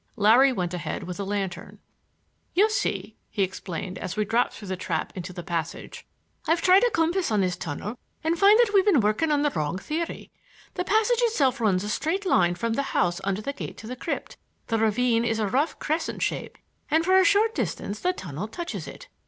Larry went ahead with a lantern. "You see," he explained, as we dropped through the trap into the passage, "I've tried a compass on this tunnel and find that we've been working on the wrong theory. The passage itself runs a straight line from the house under the gate to the crypt; the ravine is a rough crescent shape and for a short distance the tunnel touches it.